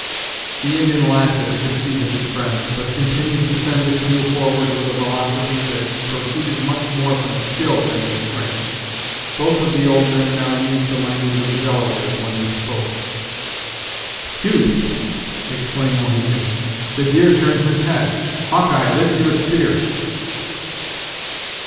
The Indian laughed at the conceit of his friend, but continued to send the canoe forward with a velocity' that proceeded much more from skill than his strength. Both of the old men now used the language of the Delawares when they spoke. "Hugh!" exclaimed Mohegan; "the deer turns his head. Hawk eye, lift your spear."